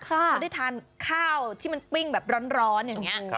เขาได้ทานข้าวที่มันปิ้งแบบร้อนอย่างนี้